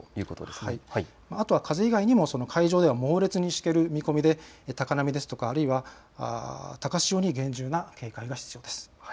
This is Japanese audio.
あとは風以外にも海上では猛烈にしける見込みで高波ですとか高潮に厳重な警戒が必要です。